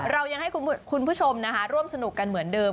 เรายังให้คุณผู้ชมร่วมสนุกกันเหมือนเดิม